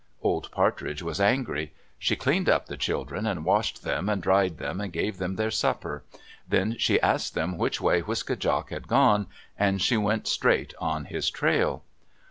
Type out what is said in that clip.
Old Partridge was angry. She cleaned up the children, and washed them and dried them, and gave them their supper. Then she asked them which way Wiske djak had gone, and she went straight on his trail.